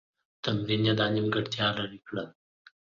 تمرین یې دا نیمګړتیا لیري کړه.